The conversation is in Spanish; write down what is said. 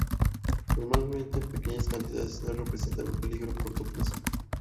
Normalmente en pequeñas cantidades, no representan un peligro a corto plazo.